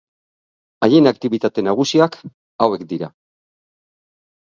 Haien aktibitate nagusiak hauek dira.